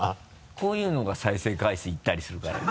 こういうのが再生回数いったりするから。